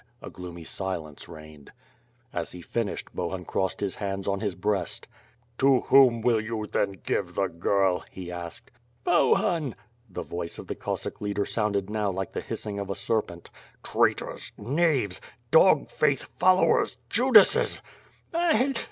A gloomy si lence reigned. As he finished, Bohun croscd his hands on his ibreast. "To whom will you then give the girl?'' he asked. "Bohunr The voice of the Cossack leader sounded now like the hissing of a serpent. "Traitors! knaves, dog faith followers! Judases!